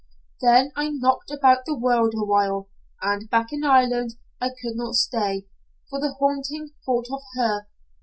"Then I knocked about the world a while, and back in Ireland I could not stay, for the haunting thought of her.